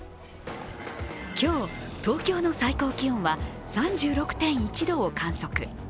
今日、東京の最高気温は３６．１度を観測。